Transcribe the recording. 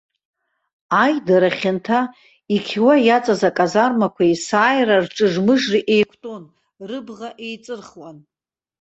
Аидара хьанҭа иқьуа иаҵаз аказармақәа есааира рҿыж-мыжра еиқәтәон, рыбӷа еиҵырхуан.